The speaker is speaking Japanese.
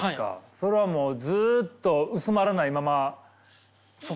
それはもうずっと薄まらないままなんですか？